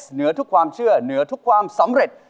เหนือทุกความเชื่อเหนือทุกความสำเร็จ